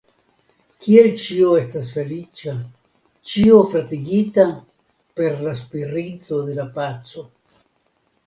Kiel ĉio estas feliĉa, ĉio fratigita per la spirito de la paco!